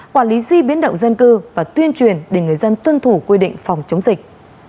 quản lý di biến động dân cư và tuyên truyền để người dân tuân thủ quy định phòng chống dịch